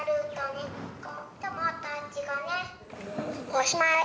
おしまい。